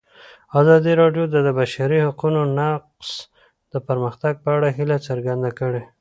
ازادي راډیو د د بشري حقونو نقض د پرمختګ په اړه هیله څرګنده کړې.